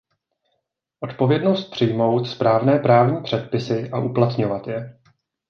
Odpovědnost přijmout správné právní předpisy a uplatňovat je.